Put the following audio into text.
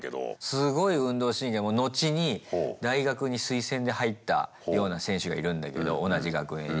すごい運動神経後に大学に推薦で入ったような選手がいるんだけど同じ学年に。